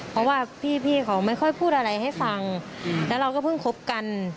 เพราะว่าพี่เขาไม่ค่อยพูดอะไรให้ฟังแล้วเราก็เพิ่งคบกัน